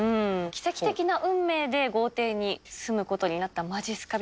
奇跡的な運命で豪邸に住むことになったまじっすか